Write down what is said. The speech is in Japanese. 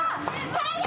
最悪！